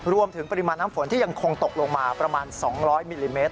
รวมถึงปริมาณน้ำฝนที่ยังคงตกลงมาประมาณ๒๐๐มิลลิเมตร